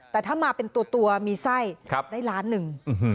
แต่ถ้ามาเป็นตัวมีไส้ได้ล้านหนึ่ง